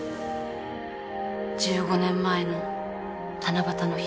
１５年前の七夕の日。